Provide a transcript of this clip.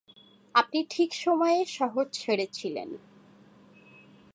আপনি ঠিক সময়ে শহর ছেড়েছিলেন।